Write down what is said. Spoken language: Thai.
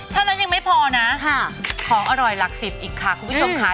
เท่านั้นยังไม่พอนะของอร่อยหลักสิบอีกค่ะคุณผู้ชมค่ะ